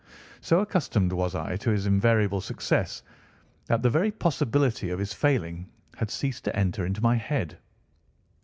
So accustomed was I to his invariable success that the very possibility of his failing had ceased to enter into my head.